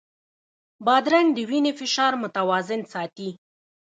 بادرنګ د وینې فشار متوازن ساتي.